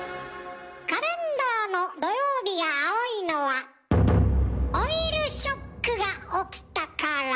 カレンダーの土曜日が青いのはオイルショックが起きたから。